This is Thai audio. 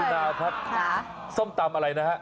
คุณยุนาวครับส้มตำอะไรนะครับ